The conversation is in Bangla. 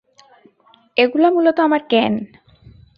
এগুলা মূলত আমার ক্যান।